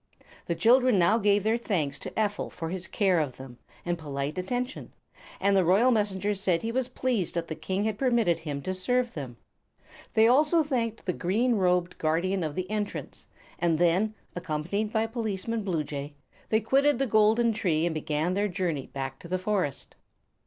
The children now gave their thanks to Ephel for his care of them and polite attention, and the Royal Messenger said he was pleased that the King had permitted him to serve them. They also thanked the green robed Guardian of the Entrance, and then, accompanied by Policeman Bluejay, they quitted the golden tree and began their journey back to the forest.